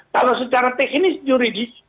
kalau secara teknis juridis